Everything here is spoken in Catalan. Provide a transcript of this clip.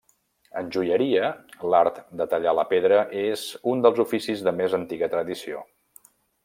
En joieria, l'art de tallar la pedra és un dels oficis de més antiga tradició.